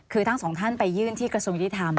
คือท่าน๒ท่านไปยื่นที่กระทรงยิทธรรม